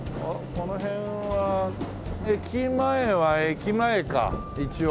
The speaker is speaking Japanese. この辺は駅前は駅前か一応。